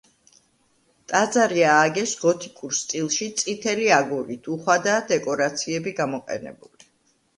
ტაძარი ააგეს გოთიკურ სტილში წითელი აგურით, უხვადაა დეკორაციები გამოყენებული.